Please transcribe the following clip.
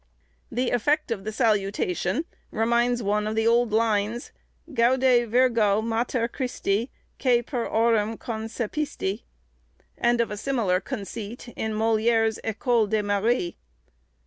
The effect of the salutation reminds one of the old lines, "Gaude Virgo, Mater Christi, Quæ per aurem concepisti." and of a similar conceit in Molière's 'Ecole des Maris.